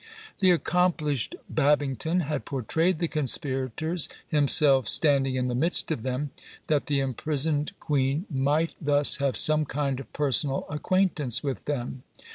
The accomplished Babington had portrayed the conspirators, himself standing in the midst of them, that the imprisoned queen might thus have some kind of personal acquaintance with them.